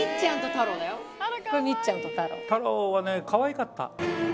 太郎はねかわいかった。